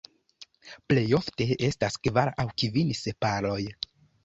Plej ofte estas kvar aŭ kvin sepaloj.